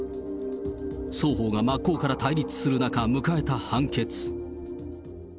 双方が真っ向から対立する中、迎えた判決。